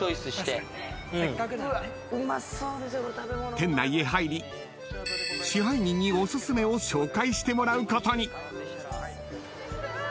［店内へ入り支配人におすすめを紹介してもらうことに］